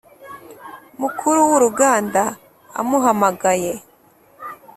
mukuru wuruganda amuhamagaye